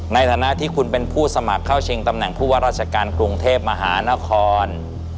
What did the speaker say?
ในฐานะที่คุณเป็นผู้สมัครเข้าชิงตำแหน่งผู้ว่าราชการกรุงเทพมหานคร